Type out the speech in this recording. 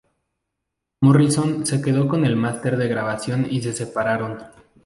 Morrison se quedó con el máster de grabación y se separaron.